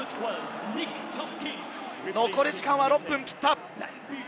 残り時間は６分を切った。